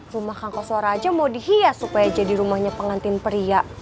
rumah kang kosora aja mau dihias supaya jadi rumahnya pengantin pria